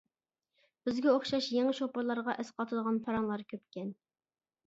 بىزگە ئوخشاش يېڭى شوپۇرلارغا ئەسقاتىدىغان پاراڭلار كۆپكەن.